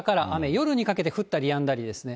夜にかけて降ったりやんだりですね。